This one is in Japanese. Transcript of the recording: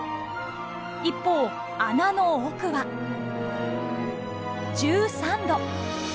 一方穴の奥は１３度。